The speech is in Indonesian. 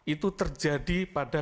itu terjadi pada